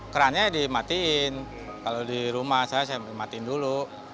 kerannya dimatiin kalau di rumah saya saya dimatiin dulu